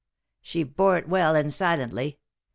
She bore it well, and silently.